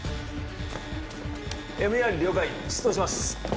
ＭＥＲ了解出動します